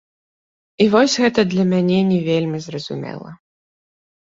І вось гэта для мяне не вельмі зразумела.